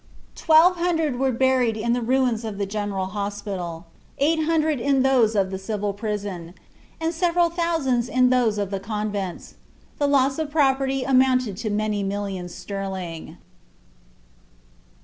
Twelve hundred were buried in the ruins of the general hospital, eight hundred in those of the civil prison, and several thousands in those of the convents. The loss of property amounted to many millions sterling.